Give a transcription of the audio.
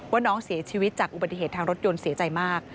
ว่าน้องเสียชีวิตจากอุบัติเหตุทางรถยนต์เสียใจมาก